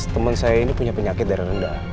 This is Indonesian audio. teman saya ini punya penyakit darah rendah